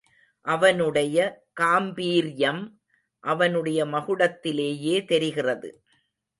அவனுடைய காம்பீர்யம் அவனுடைய மகுடத்திலேயே தெரிகிறது.